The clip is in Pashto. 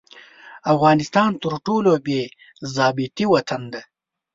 افغانستان تر ټولو بې ضابطې وطن دي.